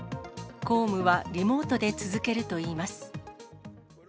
公務はリモートで続けるといいます。